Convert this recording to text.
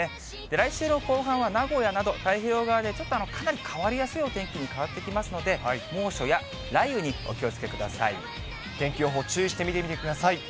来週の後半は、名古屋など太平洋側でちょっとかなり変わりやすいお天気に変わってきますので、天気予報、注意して見てみてください。